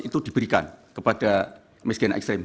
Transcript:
itu diberikan kepada miskin ekstrim